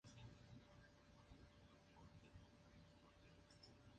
Por extensión, un "adagio" es una pieza musical cuyo tempo es lento.